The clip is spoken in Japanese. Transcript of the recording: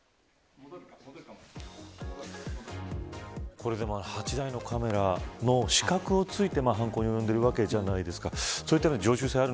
これ、でも８台のカメラの死角をついて犯行に及んでいるわけじゃないですか。